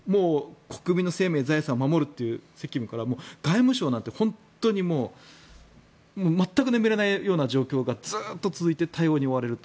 国民の生命、財産を守るという責務から、外務省なんて全く眠れないような状態がずっと続いて対応に追われると。